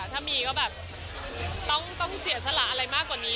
ถ้ามีก็แบบต้องเสียสละอะไรมากกว่านี้